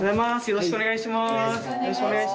よろしくお願いします。